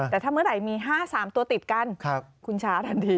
แต่ถ้าเมื่อไหร่มี๕๓ตัวติดกันคุณช้าทันที